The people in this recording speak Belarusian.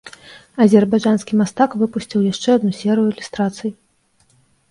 Азербайджанскі мастак выпусціў яшчэ адну серыю ілюстрацый.